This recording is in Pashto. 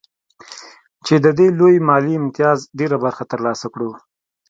چې د دې لوی مالي امتياز ډېره برخه ترلاسه کړو